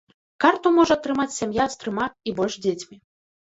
Карту можа атрымаць сям'я з трыма і больш дзецьмі.